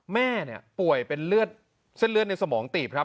แม่เนี่ยป่วยเป็นเลือดเส้นเลือดในสมองตีบครับ